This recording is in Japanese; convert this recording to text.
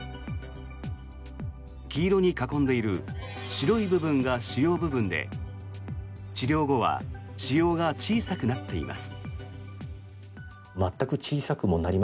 黄色に囲んでいる白い部分が腫瘍部分で治療後は腫瘍が小さくなっています。